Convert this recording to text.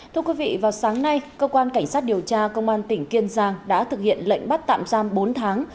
thưa quý vị vào sáng nay cơ quan cảnh sát điều tra công an tỉnh kiên giang đã thực hiện lệnh bắt tạm giam bốn tháng